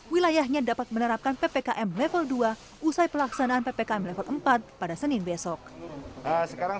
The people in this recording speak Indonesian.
wilayahnya dapat menerapkan ppkm level dua usai pelaksanaan ppkm level empat pada senin besok sekarang